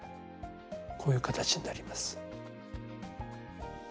こういう形になります。